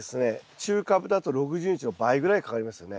中カブだと６０日の倍ぐらいかかりますよね。